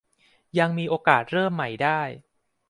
ยังมีโอกาสเริ่มใหม่ได้